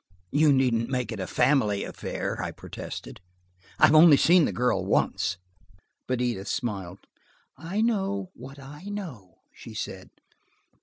"You needn't make it a family affair," I protested. "I have only seen the girl once." But Edith smiled. "I know what I know," she said.